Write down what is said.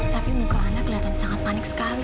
tapi muka anak kelihatan sangat panik sekali